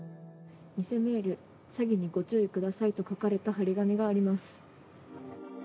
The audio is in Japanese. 偽メール詐欺にご注意くださいと書かれた貼り紙があります。